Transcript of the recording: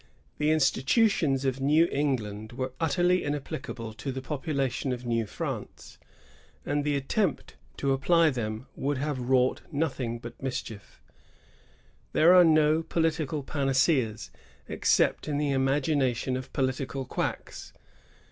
The institutions of New England were utterly inapplicable to the population of New France, and the attempt to apply them would have wrought nothing but mischief. There are no political panaceas, except in the imagination of political quacks.